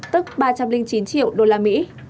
tức ba trăm linh chín triệu đô la mỹ